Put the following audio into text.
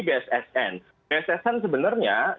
bssn bssn sebenarnya